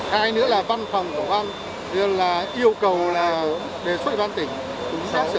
hai nữa là văn phòng của văn yêu cầu là đề xuất văn tỉnh